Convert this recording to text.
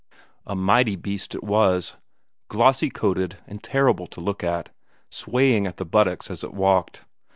A mighty beast it was, glossy coated and terrible to look at, swaying at the buttocks as it walked.